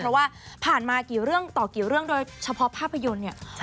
เพราะว่าผ่านมากี่เรื่องต่อกี่เรื่องโดยเฉพาะภาพยนตร์เนี่ย